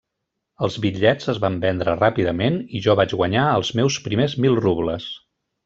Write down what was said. Els bitllets es van vendre ràpidament i jo vaig guanyar els meus primers mil rubles.